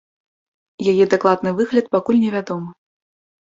Яе дакладны выгляд пакуль невядомы.